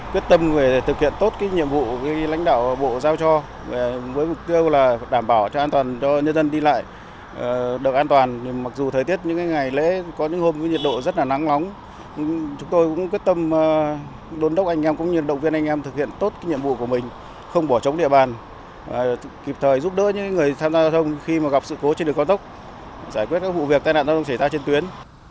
khi gặp sự cố trên đường cao tốc giải quyết các vụ việc tai nạn giao thông xảy ra trên tuyến